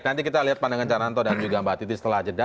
nanti kita lihat pandangan cananto dan juga mbak titi setelah jeda